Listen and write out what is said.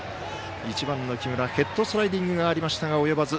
１番の木村ヘッドスライディングがありましたが及ばず。